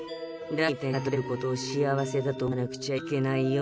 楽に点が取れることを幸せだと思わなくちゃいけないよ。